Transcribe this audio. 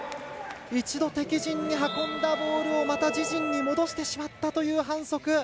一度敵陣に運んだボールをまた自陣に戻してしまったという反則。